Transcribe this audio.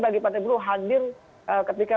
bagi partai buruh hadir ketika